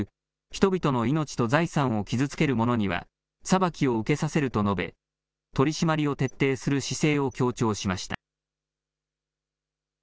人々の命と財産を傷つける者には裁きを受けさせると述べ取締りを徹底する姿勢を強調しました。